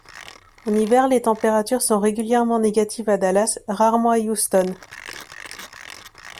En hiver, les températures sont régulièrement négatives à Dallas, rarement à Houston.